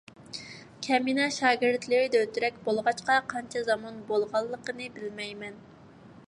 كەمىنە شاگىرتلىرى دۆترەك بولغاچقا، قانچە زامان بولغانلىقىنى بىلمەيمەن.